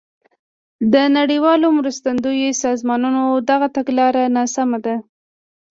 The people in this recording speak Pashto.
د نړیوالو مرستندویو سازمانونو دغه تګلاره ناسمه ده.